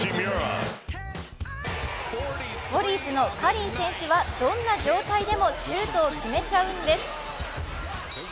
ウォリアーズのカリー選手はどんな状態でもシュートを決めちゃうんです。